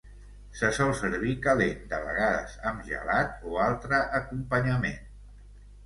Se sol servir calent, de vegades amb gelat o altre acompanyament.